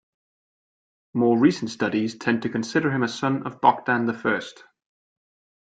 More recent studies tend to consider him a son of Bogdan the First.